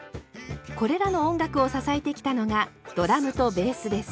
これらの音楽を支えてきたのがドラムとベースです。